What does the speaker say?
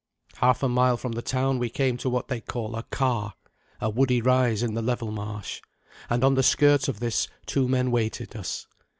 Half a mile from the town we came to what they call a carr a woody rise in the level marsh and on the skirts of this two men waited us.